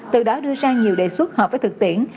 từ đó đưa ra nhiều đề xuất hợp với thực tiễn